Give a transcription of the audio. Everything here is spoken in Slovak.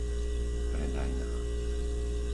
Predajná